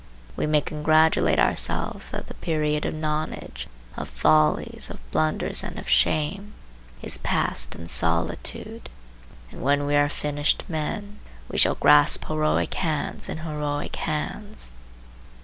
We may congratulate ourselves that the period of nonage, of follies, of blunders and of shame, is passed in solitude, and when we are finished men we shall grasp heroic hands in heroic hands.